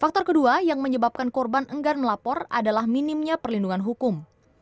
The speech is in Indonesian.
faktor kedua yang menyebabkan korban enggan melapor adalah minimnya perlindungan hukum